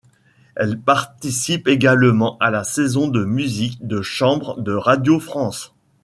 Elle participe également à la saison de musique de chambre de Radio France.